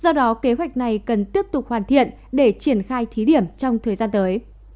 do đó kế hoạch này cần tiếp tục hoàn thiện để triển khai thí điểm trong thời gian tới